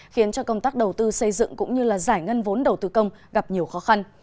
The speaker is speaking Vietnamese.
khiến cho công tác đầu tư xây dựng cũng như giải ngân vốn đầu tư công gặp nhiều khó khăn